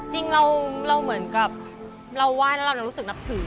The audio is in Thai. จริงเราเหมือนกับเราไหว้แล้วเรารู้สึกนับถือ